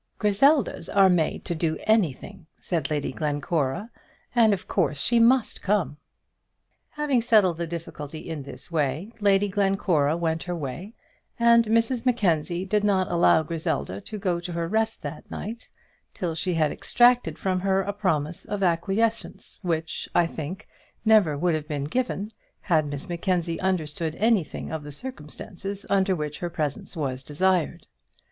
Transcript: "Griseldas are made to do anything," said Lady Glencora, "and of course she must come." Having settled the difficulty in this way, Lady Glencora went her way, and Mrs Mackenzie did not allow Griselda to go to her rest that night till she had extracted from her a promise of acquiescence, which, I think, never would have been given had Miss Mackenzie understood anything of the circumstances under which her presence was desired.